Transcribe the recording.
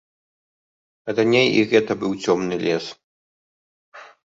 Раней і гэта быў цёмны лес.